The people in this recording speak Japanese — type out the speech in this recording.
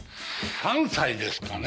３歳ですかね。